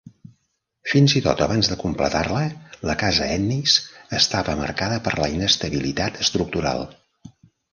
Fins i tot abans de completar-la, la casa Ennis estava marcada per la inestabilitat estructural.